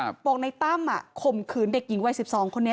บอกในตั้มอะข่มขืนเด็กหญิงอายุ๑๒คนนี้